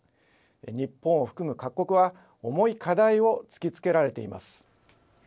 日本を含む各国は重い課題を突きつけられています。